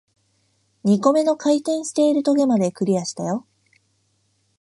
二個目の回転している棘まで、クリアしたよ